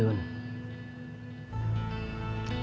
terus yang lain pensiun